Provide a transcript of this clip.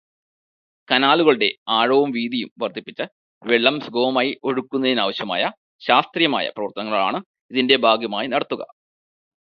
കനാലുകളുടെ ആഴവും വീതിയും വര്ദ്ധിപ്പിച്ച് വെള്ളം സുഗമമായി ഒഴുകുന്നതിനാവശ്യമായ ശാസ്ത്രീയമായ പ്രവര്ത്തനങ്ങളാണ് ഇതിന്റെ ഭാഗമായി നടത്തുക.